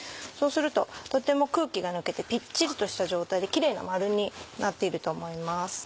そうするととても空気が抜けてぴっちりとした状態でキレイな丸になっていると思います。